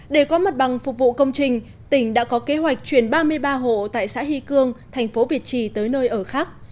để có mặt bằng phục vụ công trình tỉnh đã có kế hoạch chuyển ba mươi ba hộ tại xã hy cương thành phố việt trì tới nơi ở khác